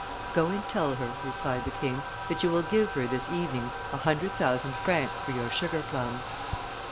'Go and tell her,' replied the king, 'that you will give her this evening a hundred thousand francs for your sugar plums.